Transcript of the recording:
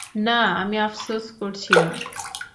না, আমি আফসোস করছি না।